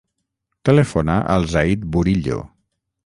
Telefona al Zayd Burillo.